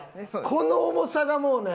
この重さがもうね。